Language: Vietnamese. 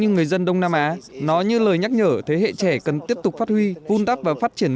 như người dân đông nam á nó như lời nhắc nhở thế hệ trẻ cần tiếp tục phát huy vun đắp và phát triển